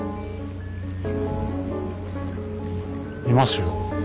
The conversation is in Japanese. いますよ。